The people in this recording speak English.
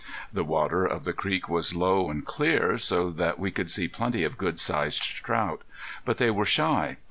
The water of the creek was low and clear, so that we could see plenty of good sized trout. But they were shy.